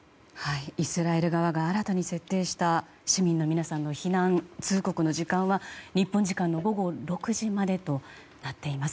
イスラエル側が新たに設定した市民の皆さんの避難通告の時間は日本時間の午後６時までとなっています。